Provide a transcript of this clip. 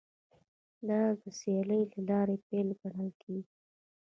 دا د سیالۍ د لارې پیل ګڼل کیږي